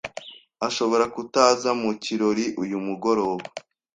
Ashobora kutaza mu kirori uyu mugoroba.